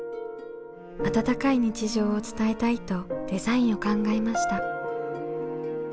温かい日常を伝えたいとデザインを考えました。